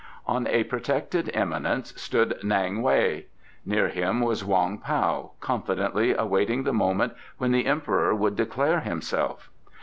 On a protected eminence stood N'ang Wei. Near him was Wong Pao, confidently awaiting the moment when the Emperor should declare himself.